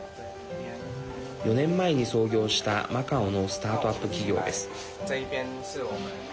４年前に創業したマカオのスタートアップ企業です。